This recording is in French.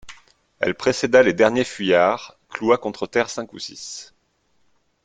Elle précéda les derniers fuyards, cloua contre terre cinq ou six.